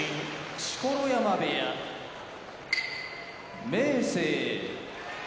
錣山部屋明生